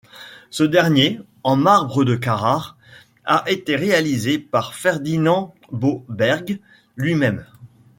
Ce dernier, en marbre de Carrare, a été réalisé par Ferdinand Boberg lui-même.